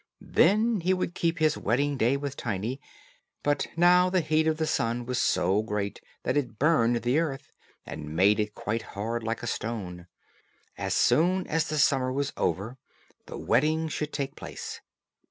Then he would keep his wedding day with Tiny; but now the heat of the sun was so great that it burned the earth, and made it quite hard, like a stone. As soon, as the summer was over, the wedding should take place.